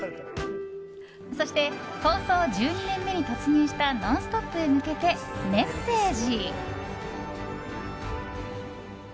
そして、放送１２年目に突入した「ノンストップ！」へ向けてメッセージ。